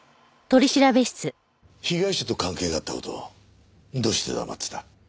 被害者と関係があった事をどうして黙ってた？